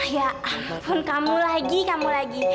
ya ampun kamu lagi kamu lagi